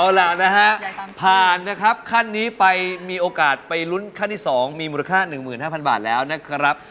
เอาล่ะนะฮะผ่านนะครับขั้นนี้ไปมีโอกาสไปลุ้นขั้นที่๒มีมูลค่า๑๕๐๐บาทแล้วนะครับ